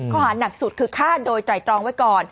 ข้อหานักสุดคือฆ่าโดยไตรตรองไว้ก่อน